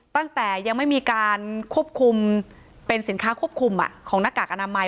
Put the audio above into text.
ตั้งแต่ยังไม่มีการควบคุมเป็นสินค้าควบคุมของหน้ากากอนามัย